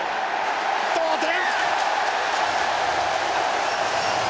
同点！